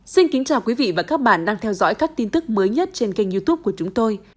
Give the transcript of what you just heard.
xin kính chào quý vị và các bạn đang theo dõi các tin tức mới nhất trên kênh youtube của chúng tôi